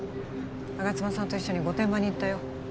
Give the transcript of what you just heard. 吾妻さんと一緒に御殿場に行ったよ